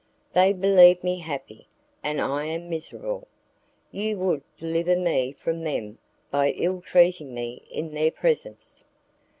"They believe me happy, and I am miserable; you would deliver me from them by ill treating me in their presence."